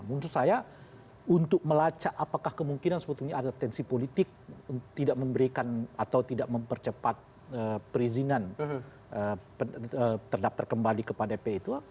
menurut saya untuk melacak apakah kemungkinan sebetulnya ada tensi politik tidak memberikan atau tidak mempercepat perizinan terdaftar kembali kepada p itu